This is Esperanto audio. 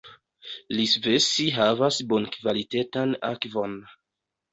Iisvesi havas bonkvalitetan akvon.